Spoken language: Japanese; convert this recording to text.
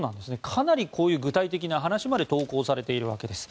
かなりこういう具体的な話まで投稿されているわけです。